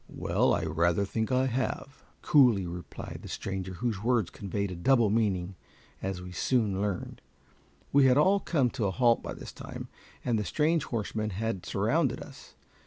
"Well, I rather think I have," coolly replied the stranger, whose words conveyed a double meaning, as we soon learned. We had all come to a halt by this time, and the strange horsemen had surrounded us.